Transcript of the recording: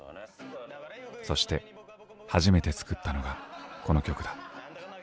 そして初めて作ったのがこの曲だ。